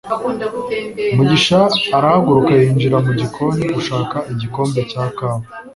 mugisha arahaguruka yinjira mu gikoni gushaka igikombe cya kawa